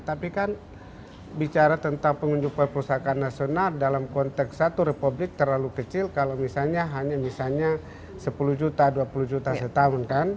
tapi kan bicara tentang pengunjuk perpustakaan nasional dalam konteks satu republik terlalu kecil kalau misalnya hanya misalnya sepuluh juta dua puluh juta setahun kan